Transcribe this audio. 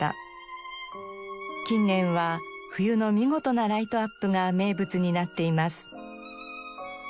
近年は冬の見事なライトアップが名物になっています。